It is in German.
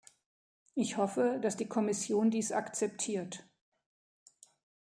Ich hoffe, dass die Kommission dies akzeptiert.